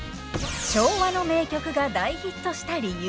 昭和の名曲が大ヒットした理由。